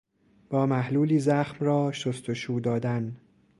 با محلولی زخم را شستشو دادن